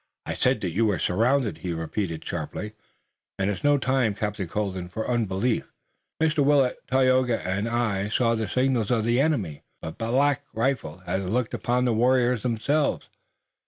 "I said that you were surrounded," he repeated sharply, "and it's no time, Captain Colden, for unbelief! Mr. Willet, Tayoga and I saw the signals of the enemy, but Black Rifle here has looked upon the warriors themselves.